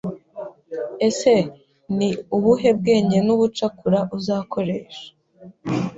ese ni ubuhe bwenge n’ubucakura uzakoresha